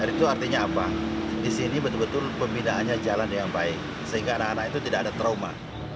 itu artinya apa di sini betul betul pembinaannya jalan dengan baik sehingga anak anak itu tidak ada trauma